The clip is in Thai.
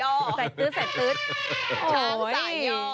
โอ้โฮดี